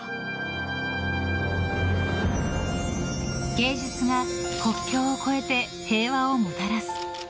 芸術が国境を越えて平和をもたらす。